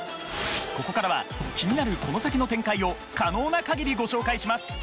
ここからは気になるこの先の展開を可能な限りご紹介します